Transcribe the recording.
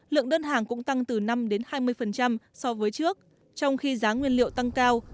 lượng đơn hàng cũng tăng từ năm hai mươi so với trước trong khi giá nguyên liệu tăng cao